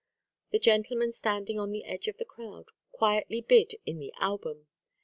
A gentleman standing on the edge of the crowd quietly bid in the album.